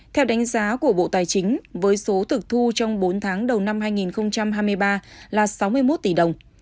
theo đánh giá của bộ tài chính với số thực thu trong bốn tháng đầu năm hai nghìn hai mươi ba là sáu mươi một tỷ đồng